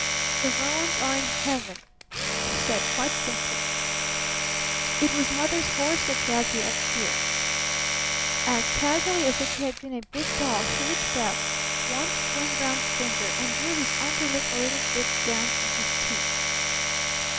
"The roans are in heaven," she said quite simply. "It was Mother's horse that dragged you up here." As casually as if he had been a big doll she reached out one slim brown finger and drew his under lip a little bit down from his teeth.